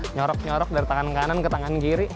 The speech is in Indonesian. nyorok nyorok dari tangan kanan ke tangan kiri